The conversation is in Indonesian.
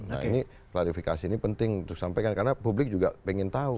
nah ini klarifikasi ini penting untuk disampaikan karena publik juga ingin tahu